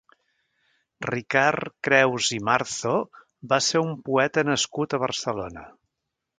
Ricard Creus i Marzo va ser un poeta nascut a Barcelona.